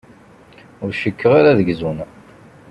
Ur cikkeɣ ara ad gzun.